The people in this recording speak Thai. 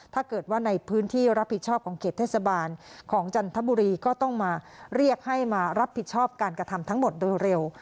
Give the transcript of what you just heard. ถ้าเกิดว่าในพื้นที่รับผิดชอบของเขตเทศบาลของจันทบุรีก็ต้องมาเรียกให้มารับผิดชอบการกระทำทั้งหมดโดยเร็ว